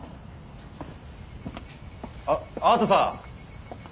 あっあとさ。